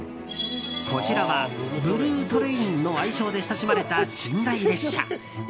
こちらはブルートレインの愛称で親しまれた寝台列車。